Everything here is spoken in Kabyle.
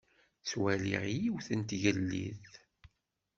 Ttwaliɣ yiwet n tgellidt.